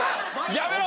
やめろ！